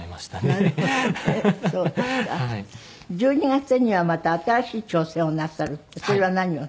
１２月にはまた新しい挑戦をなさるってそれは何を？